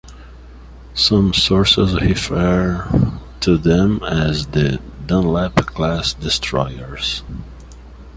Some sources refer to them as the "Dunlap"-class destroyers.